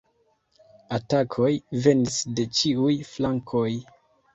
Atakoj venis de ĉiuj flankoj.